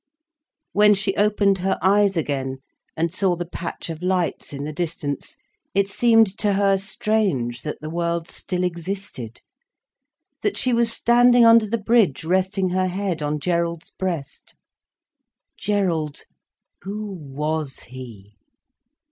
When she opened her eyes again, and saw the patch of lights in the distance, it seemed to her strange that the world still existed, that she was standing under the bridge resting her head on Gerald's breast. Gerald—who was he?